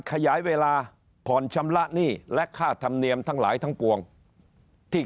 ขยายเวลาผ่อนชำระหนี้และค่าธรรมเนียมทั้งหลายทั้งปวงที่